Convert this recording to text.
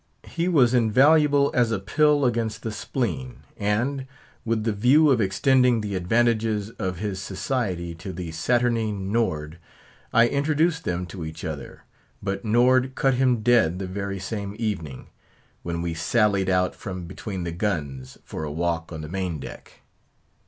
He was invaluable as a pill against the spleen; and, with the view of extending the advantages of his society to the saturnine Nord, I introduced them to each other; but Nord cut him dead the very same evening, when we sallied out from between the guns for a walk on the main deck.